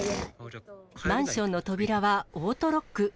マンションの扉はオートロック。